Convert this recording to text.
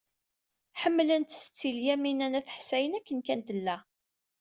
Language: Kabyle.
Ḥemmlent Setti Lyamina n At Ḥsayen akken kan tella.